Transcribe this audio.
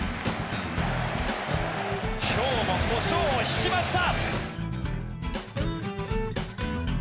今日もコショウをひきました！